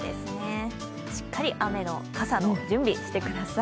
しっかり傘の準備してください。